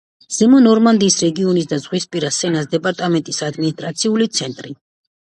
ზემო ნორმანდიის რეგიონის და ზღვისპირა სენას დეპარტამენტის ადმინისტრაციული ცენტრი.